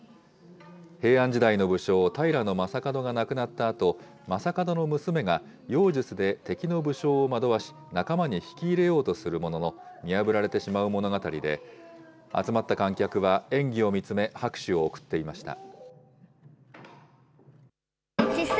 平安時代の武将、平将門が亡くなったあと、将門の娘が、妖術で敵の武将を惑わし、仲間に引き入れようとするものの、見破られてしまう物語で、集まった観客は、演技を見つめ、拍手を送っていました。